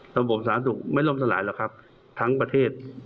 ระบบสาธารณสุขไม่ล่มสลายหรอกครับทั้งประเทศ